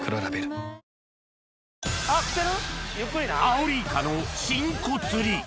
アオリイカの新子釣り